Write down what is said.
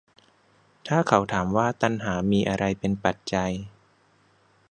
ถ้าเขาถามว่า ตัณหามีอะไรเป็นปัจจัย